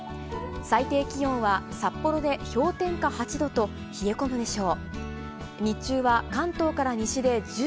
最低気温は札幌で氷点下８度と、冷え込むでしょう。